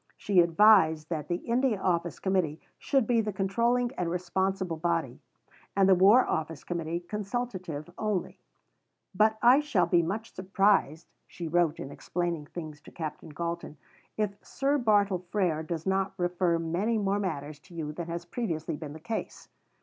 She advised that the India Office Committee should be the controlling and responsible body, and the War Office Committee consultative only; "but I shall be much surprised," she wrote in explaining things to Captain Galton, "if Sir Bartle Frere does not refer many more matters to you than has previously been the case."